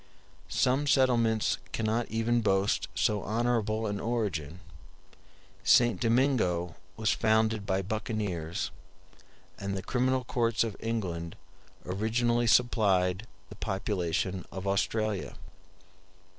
Some settlements cannot even boast so honorable an origin; St. Domingo was founded by buccaneers; and the criminal courts of England originally supplied the population of Australia.